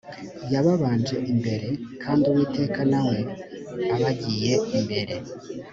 yababanje imbere kandi uwiteka na we abagiye imbere